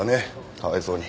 かわいそうに。